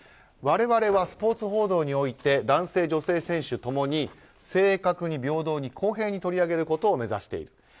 我々はスポーツ報道において男性、女性選手共に正確に、平等に、公平に取り上げることを目指している。